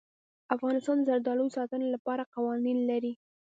افغانستان د زردالو د ساتنې لپاره قوانین لري.